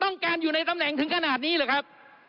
ต้องการอยู่ในตำแหน่งถึงขนาดนี้หรือครับ